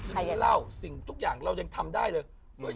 รู้เล่าสิ่งทุกอย่างเรายังทำได้เลย